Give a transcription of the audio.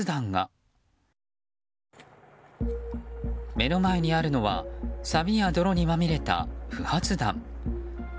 目の前にあるのはさびや泥にまみれた不発弾。